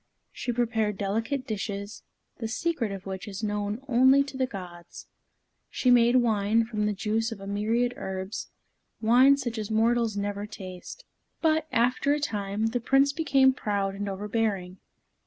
She prepared delicate dishes, the secret of which is known only to the gods. She made wine from the juice of a myriad herbs, wine such as mortals never taste. But, after a time, the Prince became proud and overbearing.